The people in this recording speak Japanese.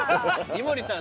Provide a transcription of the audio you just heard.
井森さん